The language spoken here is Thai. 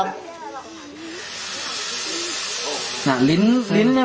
นี่เห็นจริงตอนนี้ต้องซื้อ๖วัน